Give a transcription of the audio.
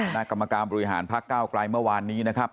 กรรมการบริหารพักเก้าไกลเมื่อวานนี้นะครับ